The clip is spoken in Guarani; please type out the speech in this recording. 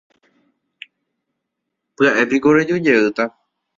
Pya'épiko reju jeýta.